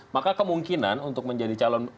maka kemungkinan untuk menjadi calon